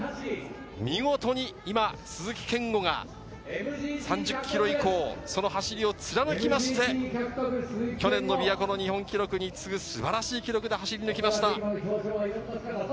見事に今、鈴木健吾が３０ｋｍ以降、その走りを貫いて、去年のびわ湖の日本記録に次ぐ素晴らしい記録で走り抜きました。